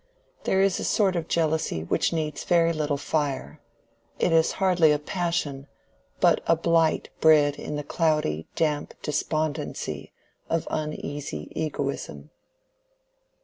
There is a sort of jealousy which needs very little fire: it is hardly a passion, but a blight bred in the cloudy, damp despondency of uneasy egoism.